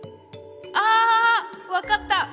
あ！分かった！